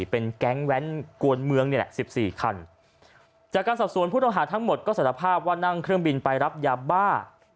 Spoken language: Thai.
เป็นแก๊งแว้นกวนเมืองนี่แหละสิบสี่คันจากการสอบสวนผู้ต้องหาทั้งหมดก็สารภาพว่านั่งเครื่องบินไปรับยาบ้า